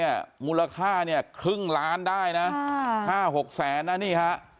สองตัวเนี่ยมูลค่าเนี่ยครึ่งล้านได้นะห้าหกแสนน่ะนี่ฮะ